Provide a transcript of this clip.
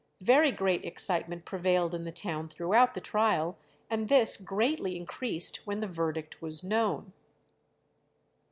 Very great excitement prevailed in the town throughout the trial, and this greatly increased when the verdict was known.